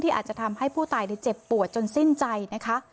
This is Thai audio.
อาจจะทำให้ผู้ตายเจ็บปวดจนสิ้นใจนะคะ